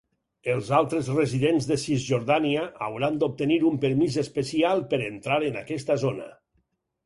Els altres residents de Cisjordània hauran d'obtenir un permís especial per entrar en aquesta zona.